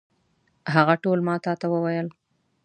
هغه ټول ما تا ته وویل.